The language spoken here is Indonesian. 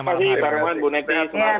terima kasih pak hermawan bu neti